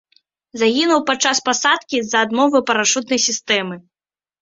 Загінуў падчас пасадкі з-за адмовы парашутнай сістэмы.